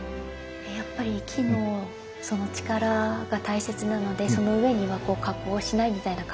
やっぱり木の力が大切なのでその上には加工しないみたいな考えですかね。